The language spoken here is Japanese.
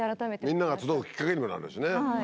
みんなが集うきっかけにもなるしね。